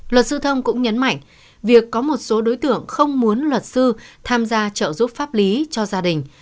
luật sư thông cũng nhấn mạnh việc có một số đối tượng không muốn luật sư tham gia trợ giúp pháp lý cho gia đình